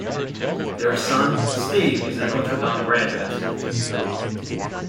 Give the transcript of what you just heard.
Their son, Steve, is a Notre Dame graduate.